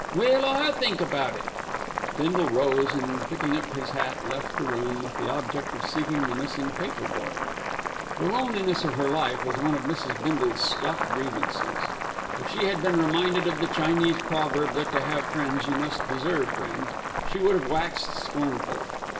"Well, I'll think about it." Bindle rose and, picking up his hat, left the room, with the object of seeking the missing paper boy. The loneliness of her life was one of Mrs. Bindle's stock grievances. If she had been reminded of the Chinese proverb that to have friends you must deserve friends, she would have waxed scornful.